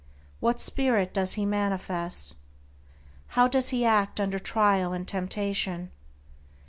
What spirit does he manifest? How does he act under trial and temptation?